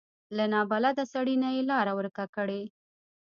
له نابلده سړي نه یې لاره ورکه کړي.